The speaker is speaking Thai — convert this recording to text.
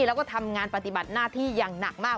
แล้วก็ทำงานปฏิบัติหน้าที่อย่างหนักมาก